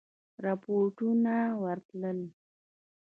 رپوټونه ورتلل.